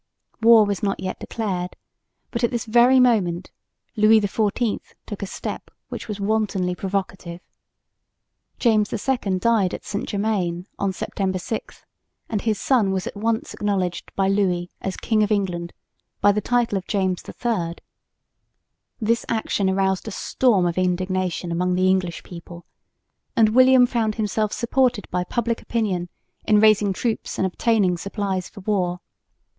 War was not yet declared, but at this very moment Louis XIV took a step which was wantonly provocative. James II died at St Germain on September 6; and his son was at once acknowledged by Louis as King of England, by the title of James III. This action aroused a storm of indignation among the English people, and William found himself supported by public opinion in raising troops and obtaining supplies for war.